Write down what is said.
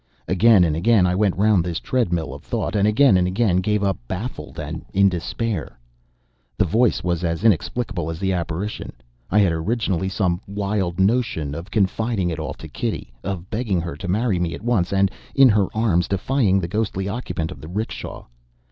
Again and again I went round this treadmill of thought; and again and again gave up baffled and in despair. The voice was as inexplicable as the apparition. I had originally some wild notion of confiding it all to Kitty; of begging her to marry me at once; and in her arms defying the ghostly occupant of the 'rickshaw.